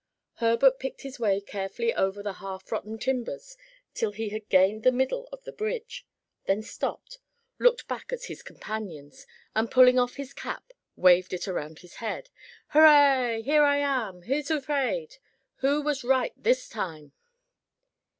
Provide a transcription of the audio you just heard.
Herbert picked his way carefully over the half rotten timbers till he had gained the middle of the bridge, then stopped, looked back at his companions and pulling off his cap, waved it around his head, "Hurrah! here I am: who's afraid? who was right this time?"